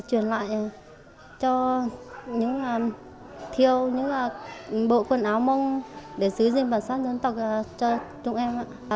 chuyển lại cho những thiêu những bộ quần áo mông để sử dụng bản sắc dân tộc cho chúng em